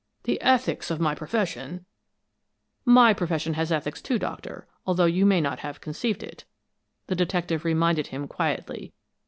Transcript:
The ethics of my profession " "My profession has ethics, too, Doctor, although you may not have conceived it," the detective reminded him, quietly.